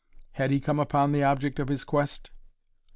Had he come upon the object of his quest?